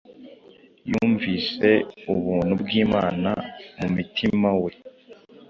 Yumvise ubuntu bw’Imana mu mutima we